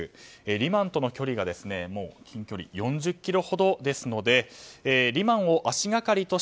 リマンとの距離が４０ｋｍほどですのでリマンを足掛かりと